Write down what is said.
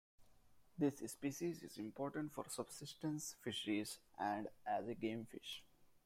This species is important for subsistence fisheries and as a gamefish.